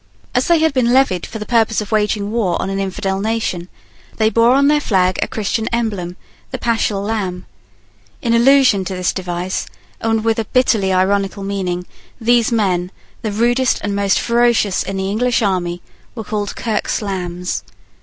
As they had been levied for the purpose of waging war on an infidel nation, they bore on their flag a Christian emblem, the Paschal Lamb. In allusion to this device, and with a bitterly ironical meaning, these men, the rudest and most ferocious in the English army, were called Kirke's Lambs.